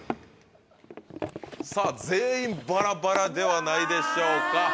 さぁ全員バラバラではないでしょうか。